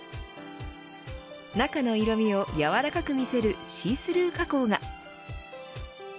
中の色みを柔らかく見せるシースルー加工が。